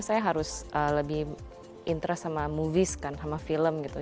saya harus lebih interest sama movies kan sama film gitu